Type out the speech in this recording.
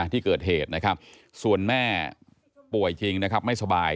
ที่เกิดเหตุนะครับส่วนแม่ป่วยจริงนะครับไม่สบาย